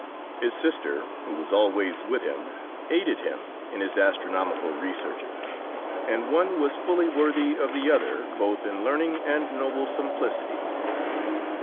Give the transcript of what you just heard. His sister, who was always with him, aided him in his astronomical researches, and one was fully worthy of the other, both in learning and noble simplicity.